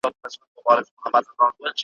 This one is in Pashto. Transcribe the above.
ځیني وختونه بېله موضوع لري ,